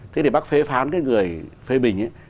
thế thì bác phê phán cái người phê bình